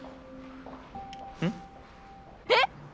うん？えっ！